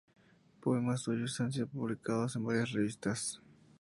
Poemas suyos han sido publicados en varias revistas.